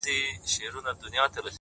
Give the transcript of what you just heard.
پر ما خوښي لكه باران را اوري’